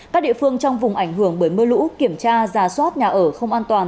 các địa phương trong vùng ảnh hưởng bởi mưa lũ kiểm tra giả soát nhà ở không an toàn